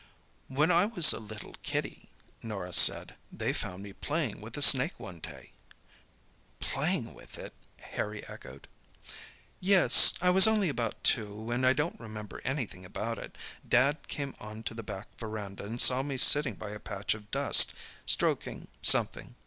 "When I was a little kiddie," Norah said, "they found me playing with a snake one day." "Playing with it?" Harry echoed. "Yes; I was only about two, and I don't remember anything about it. Dad came on to the back verandah, and saw me sitting by a patch of dust, stroking something.